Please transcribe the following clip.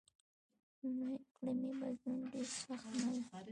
لومړی اقلیمی بدلون ډېر سخت نه و.